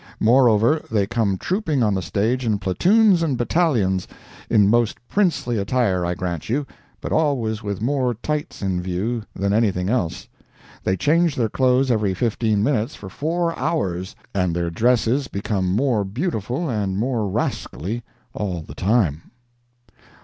Moreover, they come trooping on the stage in platoons and battalions, in most princely attire I grant you, but always with more tights in view than anything else. They change their clothes every fifteen minutes for four hours, and their dresses become more beautiful and more rascally all the time.